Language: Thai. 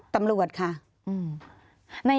ตำรวจค่ะ